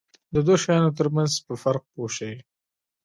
د دوو شیانو ترمنځ په فرق پوه شي.